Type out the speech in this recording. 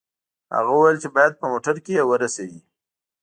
هغه وویل چې باید په موټر کې یې ورسوي